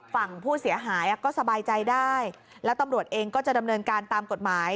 ฝั่งผู้เสียหายก็สบายใจได้แล้วตำรวจเองก็จะดำเนินการตามกฎหมาย